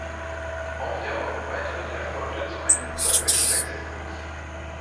Auch der Euro-Beitritt erfolgte zu einem überhöhten Wechselkurs.